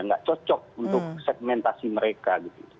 nggak cocok untuk segmentasi mereka gitu